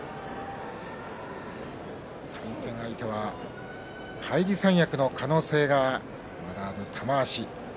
対戦相手は返り三役の可能性がある玉鷲。